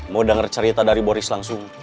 mau dengar cerita dari boris langsung